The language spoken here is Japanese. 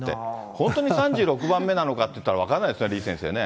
本当に３６番目なのかっていったら分からないですよ、李先生ね。